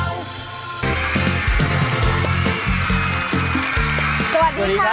สวัสดีครับสวัสดีครับ